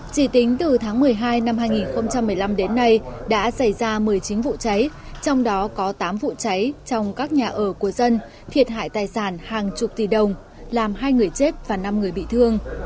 chỉ tính từ tháng một mươi hai năm hai nghìn một mươi năm đến nay đã xảy ra một mươi chín vụ cháy trong đó có tám vụ cháy trong các nhà ở của dân thiệt hại tài sản hàng chục tỷ đồng làm hai người chết và năm người bị thương